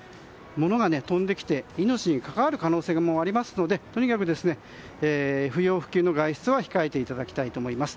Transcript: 物が飛んできて命に関わる可能性もありますのでとにかく、不要不急の外出は控えていただきたいと思います。